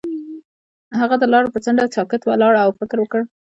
هغه د لاره پر څنډه ساکت ولاړ او فکر وکړ.